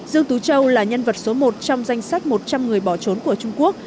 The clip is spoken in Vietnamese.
dương tú châu là nhân vật số một trong danh sách một trăm linh người bỏ trốn của trung quốc